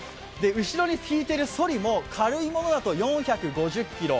後ろに引いてるそりも軽いものだと４５０ｋｇ。